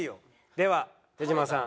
では手島さん